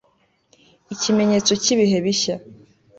Ikimenyetso cyibihe bishya